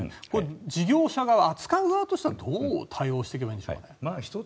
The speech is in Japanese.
事業者側、扱う側はどう対応していけばいいんでしょうか。